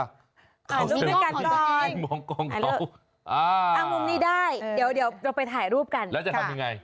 อ่านรูปด้วยกันก่อนอ่านรูปด้วยกันก่อนเดี๋ยวเราไปถ่ายรูปกันค่ะแล้วจะทำยังไง